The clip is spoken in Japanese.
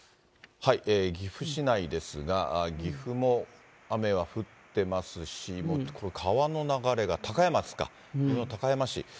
岐阜市内ですが、岐阜も雨は降ってますし、これ、川の流れが、高山ですか、高山市。